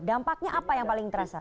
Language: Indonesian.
dampaknya apa yang paling terasa